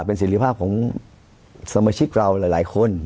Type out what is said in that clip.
เป็นสิทธิภาพของสมาชิกเราหลายคน